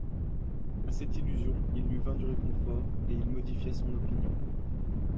A cette illusion, il lui vint du réconfort, et il modifia son opinion.